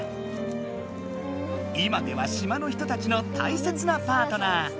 今では島の人たちのたいせつなパートナー。